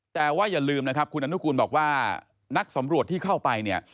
แต่ว่าอย่าลืมนะครับคุณอนุกูลบอกว่านักสำรวจที่เข้าไปเนี่ย